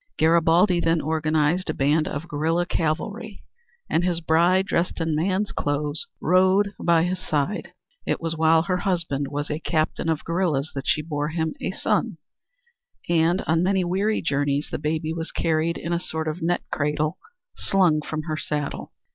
Garibaldi then organized a band of guerilla cavalry and his bride, dressed in man's clothes, rode by his side. It was while her husband was a captain of guerillas that she bore him a son, and on many weary journeys the baby was carried in a sort of net cradle slung from her saddle.